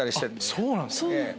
そうなんですね。